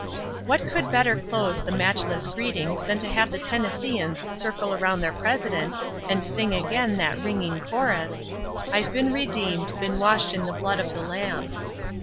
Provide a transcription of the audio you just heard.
What could better close the matchless greetings than to have the Tennesseeans circle round their president and sing again that ringing chorus: "I've been redeemed, Been washed in the blood of the Lamb."